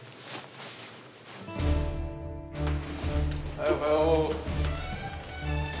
はいおはよう。